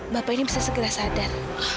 bapak ini bisa segera sadar